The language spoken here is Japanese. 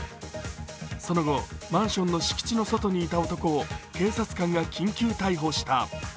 その後、マンションの敷地の外にいた男を警察官が緊急逮捕した。